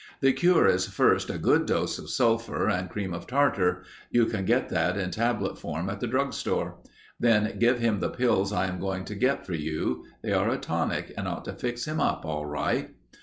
The cure is first a good dose of sulphur and cream of tartar; you can get that in tablet form at the drug store. Then give him the pills I am going to get for you. They are a tonic and ought to fix him up all right."